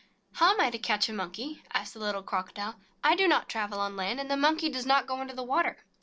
"How am I to catch a Monkey?" asked the little Crocodile. "I do not travel on land, and the Monkey does not go into the water."